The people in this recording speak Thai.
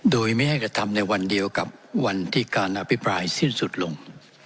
โดยไม่ให้กระทำในวันเดียวกับวันที่การอภิปรายสิ้นสุดลง